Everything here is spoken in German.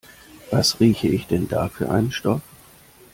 Was rieche ich denn da für einen Stoff?